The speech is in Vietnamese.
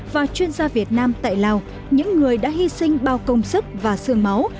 và chuyên gia việt nam tại lào những người đã hy sinh bao công sức và sương máu